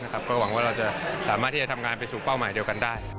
ก็หวังว่าเราจะสามารถที่จะทำงานไปสู่เป้าหมายเดียวกันได้